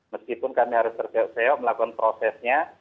meskipun kami harus berusaha melakukan prosesnya